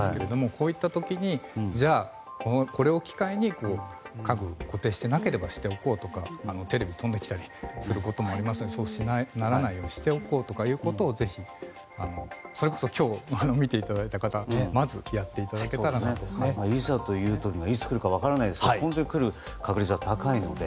こういった時じゃあ、これを機会に家具を固定してなければしておこうとかテレビが飛んできたりすることもありますのでそうならないようにしておこうということをぜひ、それこそ今日見ていただいた方いざというのがいつ来るか分からないですから本当に来る確率が高いので。